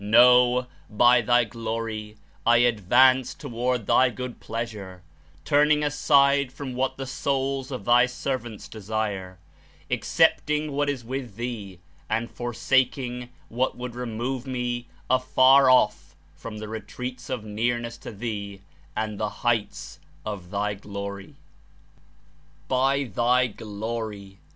No ! by Thy Glory, I advance toward Thy good pleasure, turning aside from what the souls of Thy servants desire; accept ing what is with Thee and forsaking what would re move me afar off from the retreats of nearness to Thee and the heights of Thy Glory. By Thy Glory!